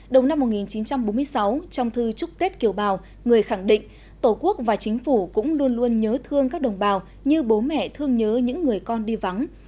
đầu năm một nghìn chín trăm bốn mươi sáu trong thư chúc tết kiều bào người khẳng định tổ quốc và chính phủ cũng luôn luôn nhớ thương các đồng bào như bố mẹ thương nhớ những người con đi vắng